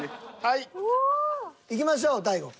いきましょう大悟。